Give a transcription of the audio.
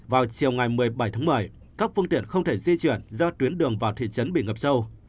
vào chiều ngày một mươi bảy tháng một mươi các phương tiện không thể di chuyển do tuyến đường vào thị trấn bị ngập sâu